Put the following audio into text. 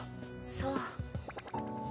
そう。